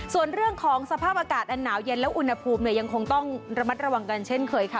ส่วนเรื่องของสภาพอากาศอันหนาวเย็นและอุณหภูมิเนี่ยยังคงต้องระมัดระวังกันเช่นเคยค่ะ